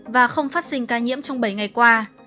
và không phát sinh ca nhiễm trong bảy ngày qua